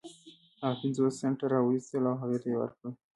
هغه پنځوس سنټه را و ايستل او هغې ته يې ورکړل.